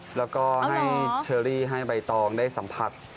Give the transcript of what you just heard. เพราะให้เชอรี่ให้ใบตองได้สัมพันธ์